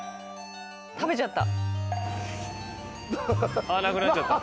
食べちゃった。